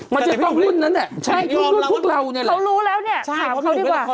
มันจะต้องรุ่นนั้นอ่ะใช่รุ่นพวกเราเนี่ยแหละเขารู้แล้วเนี่ยถามเขาดีกว่า